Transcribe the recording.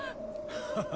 ハハハ。